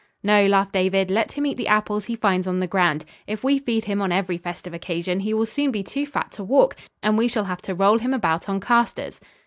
"No," laughed David. "Let him eat the apples he finds on the ground. If we feed him on every festive occasion he will soon be too fat to walk, and we shall have to roll him about on casters."